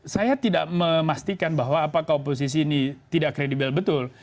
saya tidak memastikan bahwa apakah oposisi ini tidak kredibel betul